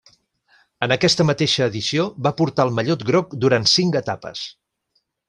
En aquesta mateixa edició va portar el mallot groc durant cinc etapes.